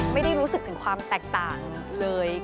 ไม่ได้รู้สึกถึงความแตกต่างเลย